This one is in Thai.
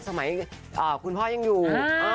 สมัยคุณพ่อยังอยู่